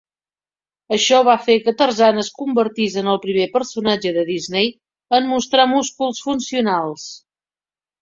Això va fer que Tarzan es convertís en el primer personatge de Disney en mostrar músculs funcionals.